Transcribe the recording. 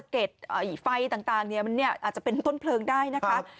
กลัวว่าไฟต่างจะเป็นต้นเพลิงได้นะคะ